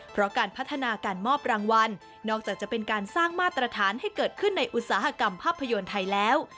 เพราะการพัฒนาการมอบรางวัลนอกจากจะเป็นการสร้างมาตรฐานให้เกิดขึ้นในอุตสาหกรรมภาพยนตร์ไทยแล้ว